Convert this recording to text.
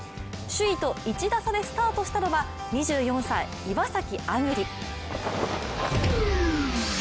首位と１打差でスタートしたのは２４歳、岩崎亜久竜。